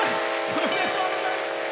おめでとうございます。